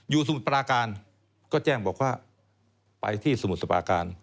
สมุทรปราการก็แจ้งบอกว่าไปที่สมุทรสปาการ